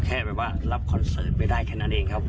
แค่รับคอนเสิร์ตไปได้แค่นั้นเองครับ